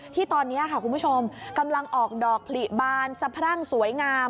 ที่ตอนนี้ค่ะคุณผู้ชมกำลังออกดอกผลิบานสะพรั่งสวยงาม